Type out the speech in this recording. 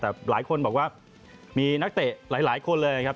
แต่หลายคนบอกว่ามีนักเตะหลายคนเลยนะครับ